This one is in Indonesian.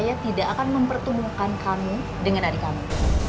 saya tidak akan mempertumbuhkan kamu dengan adik kamu